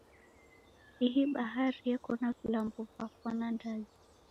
Ihi bahari yeko na vilambo va fwana ndazi.